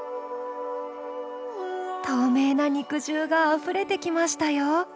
透明な肉汁があふれてきましたよ。